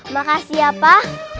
makasih ya pak